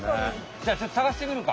じゃあちょっとさがしてくるか。